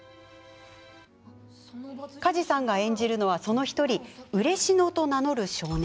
梶さんが演じるのは、その１人ウレシノと名乗る少年。